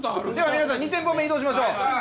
皆さん２店舗目へ移動しましょ。